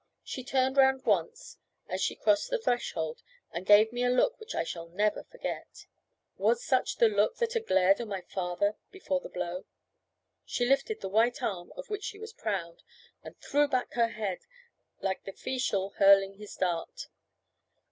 She turned round once, as she crossed the threshold, and gave me a look which I shall never forget. Was such the look that had glared on my father before the blow? She lifted the white arm of which she was proud, and threw back her head, like the Fecial hurling his dart.